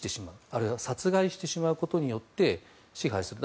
あるいは殺害してしまうことによって支配する。